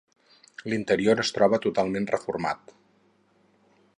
L'interior es troba totalment reformat.